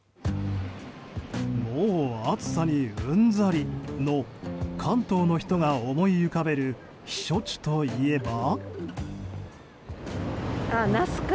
もう暑さにうんざりの関東の人が思い浮かべる避暑地といえば。